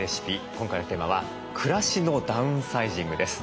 今回のテーマは「暮らしのダウンサイジング」です。